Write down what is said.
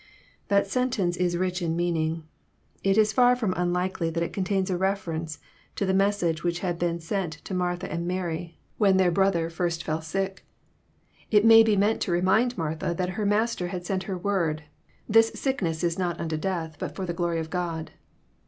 " That sentence is rich in meaning. It is far from un likely that it contains a reference to the message which bad been sent to Martha and Mary, when their brother JOHN, CHAP. XI. 279 first fell sick. It may be meant to remiod Martha that her Master had sent her word, '^ This sickness is not unto death, but for the glory of God."